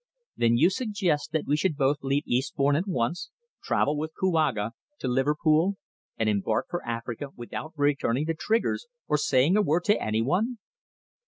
"Then you suggest that we should both leave Eastbourne at once, travel with Kouaga to Liverpool and embark for Africa without returning to Trigger's, or saying a word to anyone?"